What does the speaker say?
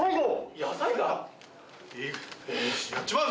⁉やっちまうぞ！